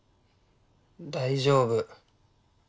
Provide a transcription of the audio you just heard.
大丈夫。